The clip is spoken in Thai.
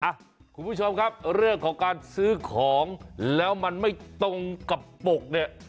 อ่ะคุณผู้ชมครับเรื่องของการซื้อของแล้วมันไม่ตรงกับปกเนี่ย